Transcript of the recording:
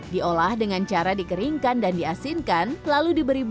diolah dengan cara dikeringkan dan diasinkan lalu diberi bumbu